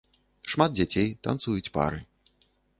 Шмат дзяцей, танцуюць пары.